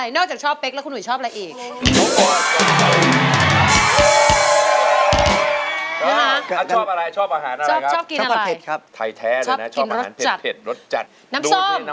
น้ำส้มชอบทำอะไรคะ